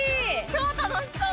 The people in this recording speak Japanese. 超楽しそう！